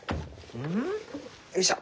ん？よいしょ。